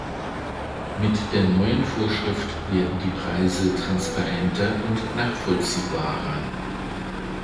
Mit der neuen Vorschrift werden die Preise transparenter und nachvollziehbarer.